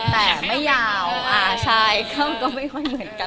แต่ไม่ยาวอ่าใช่เข้าก็ไม่ค่อยเหมือนกัน